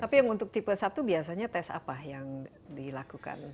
tapi yang untuk tipe satu biasanya tes apa yang dilakukan